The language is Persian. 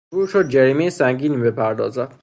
مجبور شد جریمهی سنگینی بپردازد.